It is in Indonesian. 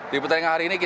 di pertandingan hari ini